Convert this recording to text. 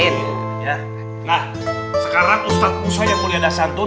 nah sekarang ustaz usai yang mulia dasantun